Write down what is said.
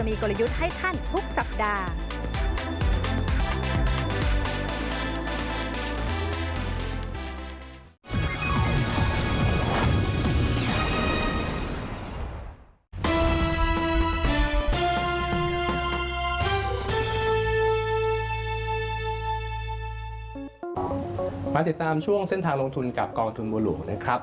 มาติดตามช่วงเส้นทางลงทุนกับกองทุนบัวหลวงนะครับ